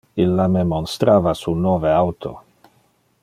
Illa me monstrava su nove auto.